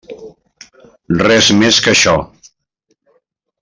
Res més que això.